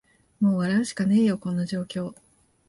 もう笑うしかねーよ、こんな状況